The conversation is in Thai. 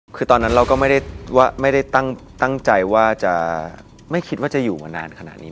คือตอนนั้นเราก็ไม่ได้ตั้งใจว่าจะไม่คิดว่าจะอยู่มานานขนาดนี้